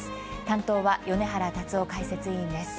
担当は米原達生解説委員です。